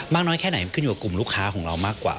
น้อยแค่ไหนขึ้นอยู่กับกลุ่มลูกค้าของเรามากกว่า